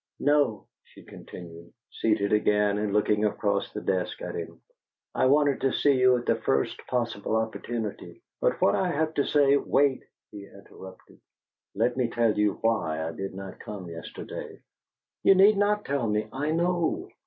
"No," she continued, seated again and looking across the desk at him, "I wanted to see you at the first possible opportunity, but what I have to say " "Wait," he interrupted. "Let me tell you why I did not come yesterday." "You need not tell me. I know."